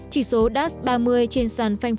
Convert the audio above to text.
chỉ số das ba mươi trên san francisco